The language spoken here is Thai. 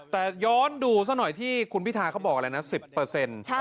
แต่ย้อนดูสักหน่อยที่คุณพิธาเขาบอกอะไรนะ